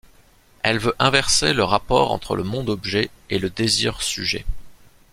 Elle veut inverser le rapport entre le monde-objet et le Désir-sujet.